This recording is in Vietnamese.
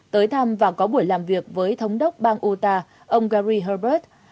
tới thăm và có buổi làm việc với thống đốc bang utah ông gary herbert